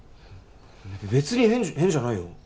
別に変じゃ変じゃないよ